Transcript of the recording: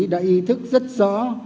đã ý thức rất rõ